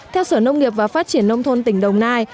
theo sở nông nghiệp và phát triển nông thôn tỉnh đồng nai